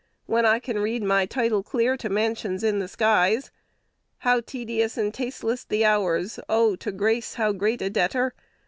'When I can read my title clear To mansions in the skies!' 'How tedious and tasteless the hours.' 'Oh! to grace how great a debtor!'